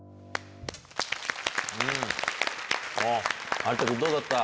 有田君どうだった？